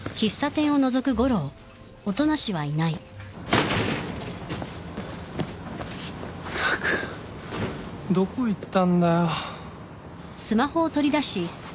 ったくどこ行ったんだよ。